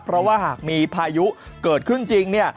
เพราะว่าหากมีพายุเกิดขึ้นจริงเนี่ย